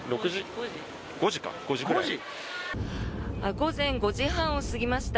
午前５時半を過ぎました。